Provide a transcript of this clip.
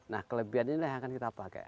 nah kelebihan inilah yang akan kita pakai